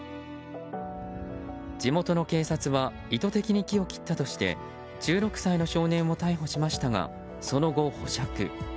地元の警察は意図的に木を切ったとして１６歳の少年を逮捕しましたがその後、保釈。